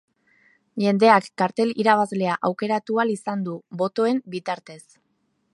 Jendeak kartel irabazlea aukeratu ahal izan du, botoen bitartez.